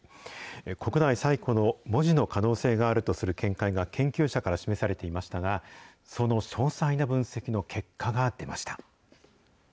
国内最古の文字の可能性があるとする見解が研究者から示されていましたが、その詳細な分析の結果が出ました。